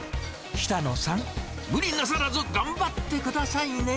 北野さん、無理なさらず頑張ってくださいね。